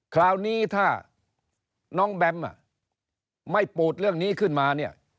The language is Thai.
คราวนี้ถ้าน้องแบมไม่ปูดเรื่องนี้ขึ้นมาเนี่ย